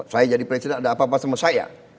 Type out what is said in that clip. saya jadi presiden ada apa apa sama saya